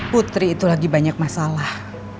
putri itu lagi banyak masalah